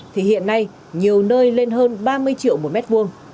thì hiện nay nhiều nơi lên hơn ba mươi triệu một mét vuông